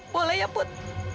boleh ya put